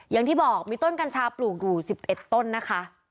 อย่างที่บอกมีต้นกัญชาปลูกอยู่๑๑ต้นนะคะ